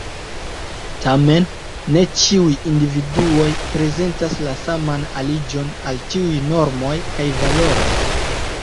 Tamen, ne ĉiuj individuoj prezentas la saman aliĝon al tiuj normoj kaj valoroj.